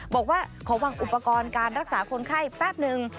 บอกว่าขอวางอุปกรณ์การรักษาคนไข้แป๊บนึง